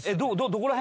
どこら辺？